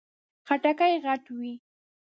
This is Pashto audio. خټکی غټ وي.